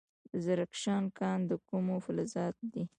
د زرکشان کان د کومو فلزاتو دی؟